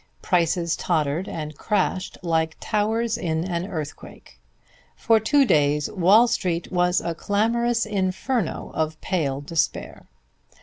Prices tottered and crashed like towers in an earthquake. For two days Wall Street was a clamorous inferno of pale despair.